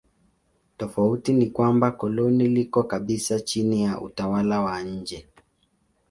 Tofauti ni kwamba koloni liko kabisa chini ya utawala wa nje.